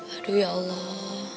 aduh ya allah